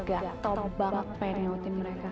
gato banget penyok tim mereka tapi